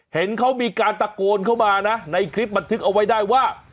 เห็นเขามีการตะโกนเข้ามานะในคลิปบันทึกเอาไว้ได้ว่า